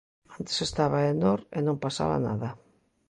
Antes estaba Aenor e non pasaba nada.